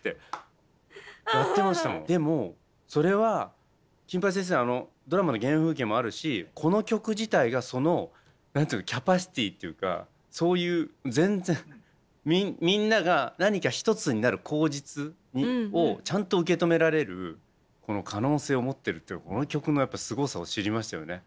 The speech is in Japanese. でもそれは「金八先生」のあのドラマの原風景もあるしこの曲自体がそのキャパシティーっていうかそういう全然みんなが何か一つになる口実をちゃんと受け止められる可能性を持ってるっていうこの曲のすごさを知りましたよね。